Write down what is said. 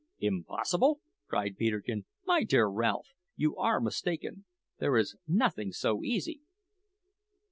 "Impossible?" cried Peterkin. "My dear Ralph, you are mistaken; there is nothing so easy."